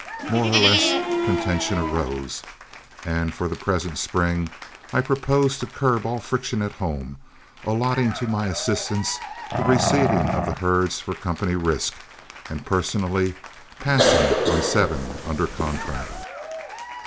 More or less contention arose, and, for the present spring, I proposed to curb all friction at home, allotting to my assistants the receiving of the herds for company risk, and personally passing on seven under contract.